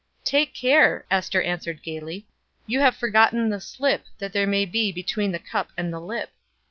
"Take care," Ester answered gaily; "you have forgotten the 'slip' that there may be 'between the cup and the lip.'"